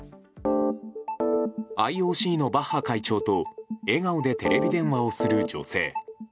ＩＯＣのバッハ会長と笑顔でテレビ電話をする女性。